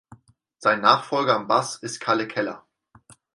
Sein Nachfolger am Bass ist Kalle Keller.